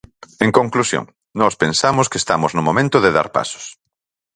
En conclusión, nós pensamos que estamos no momento de dar pasos.